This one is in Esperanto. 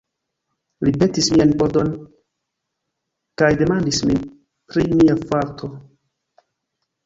Li petis mian pardonon, kaj demandis min pri mia farto.